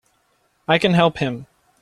I can help him!